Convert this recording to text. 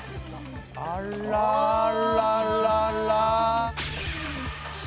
あらららら。